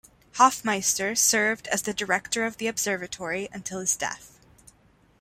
Hoffmeister served as the director of the observatory until his death.